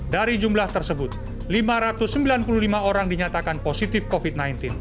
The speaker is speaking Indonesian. dari jumlah tersebut lima ratus sembilan puluh lima orang dinyatakan positif covid sembilan belas